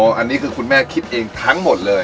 อันนี้คือคุณแม่คิดเองทั้งหมดเลย